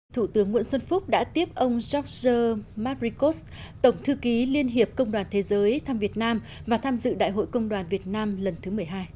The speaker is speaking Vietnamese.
thủ tướng nguyễn xuân phúc đã tiếp ông george maricos tổng thư ký liên hiệp công đoàn thế giới thăm việt nam và tham dự đại hội công đoàn việt nam lần thứ một mươi hai